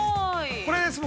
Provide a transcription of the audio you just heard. ◆これです、僕。